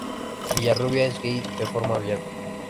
Villarrubia es gay de forma abierta.